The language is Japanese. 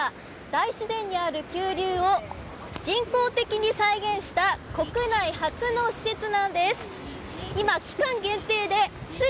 大自然にある急流を人工的に再現した国内初の施設なんです。